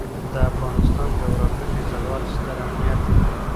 د افغانستان جغرافیه کې زغال ستر اهمیت لري.